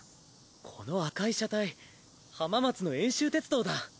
この赤い車体浜松の遠州鉄道だ！